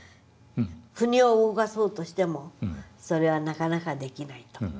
国を動かそうとしてもそれはなかなかできないと。